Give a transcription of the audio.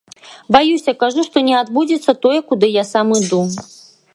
Баюся, кажу, што не адбудзецца тое, куды я сам іду.